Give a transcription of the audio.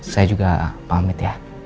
saya juga pamit ya